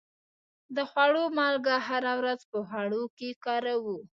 د خوړو مالګه هره ورځ په خوړو کې کاروو.